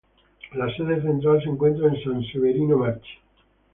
La sede central se encuentra en San Severino Marche.